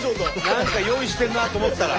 何か用意してるなと思ったら。